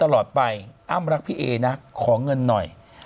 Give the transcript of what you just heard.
ตลอดไปอ้ำรักพี่เอนะขอเงินหน่อย